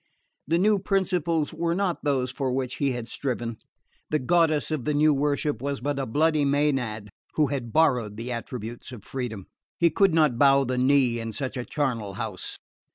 The new principles were not those for which he had striven. The goddess of the new worship was but a bloody Maenad who had borrowed the attributes of freedom. He could not bow the knee in such a charnel house.